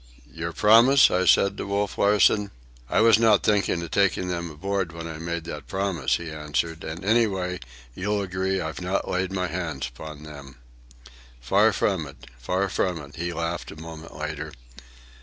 "Your promise?" I said to Wolf Larsen. "I was not thinking of taking them aboard when I made that promise," he answered. "And anyway, you'll agree I've not laid my hands upon them." "Far from it, far from it," he laughed a moment later.